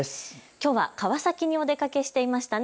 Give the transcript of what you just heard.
きょうは川崎にお出かけしていましたね。